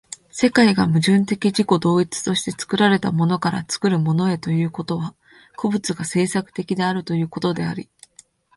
世界が矛盾的自己同一として作られたものから作るものへということは、個物が製作的であるということであり、